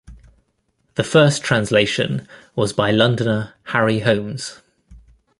The first translation was by Londoner Harry Holmes.